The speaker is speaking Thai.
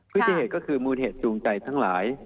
พฤติเหตุก็คือมูลเหตุจูงใจทั้งหลาย